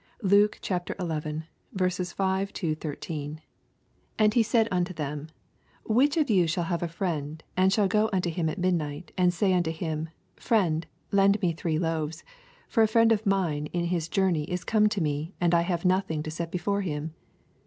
LUKE XL 5 13 5 And he said unto them, Which of yon shall have a friend, and shall go unto him at midnight, and say unto him. Friend^ lend me three loaves ; 6 For a friend of mine in his jour ney is come to me, and I have nothing to set before him